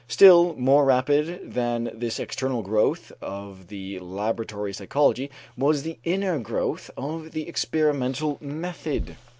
Still more rapid than this external growth of the laboratory psychology was the inner growth of the experimental method.